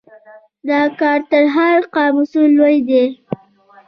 دا کار تر هر قاموس لوی دی.